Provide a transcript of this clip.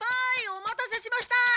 お待たせしました！